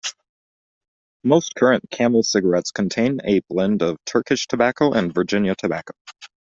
Most current Camel cigarettes contain a blend of Turkish tobacco and Virginia tobacco.